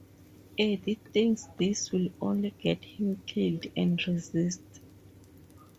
Eddie thinks this will only get him killed and resists.